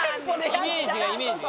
イメージがイメージが。